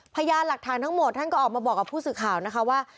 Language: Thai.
พยานหลักฐานทั้งหมดท่านก็ออกมาบอกกับผู้สื่อข่าวนะคะว่า